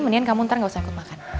mendingan kamu ntar nggak usah ikut makan